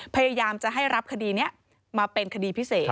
พยายามจะให้รับคดีนี้มาเป็นคดีพิเศษ